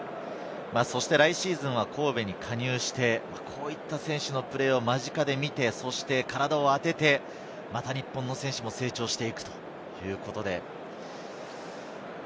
そして来シーズンは神戸に加入して、こういった選手のプレーを間近で見て、体を当てて、また日本の選手も成長していくということで。